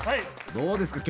どうですか？